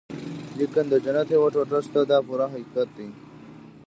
لیکن د جنت یوه ټوټه شته دا پوره حقیقت دی.